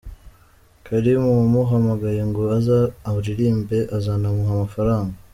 Karim wamuhamagaye ngo aze aririmbe azanamuha amafaranga.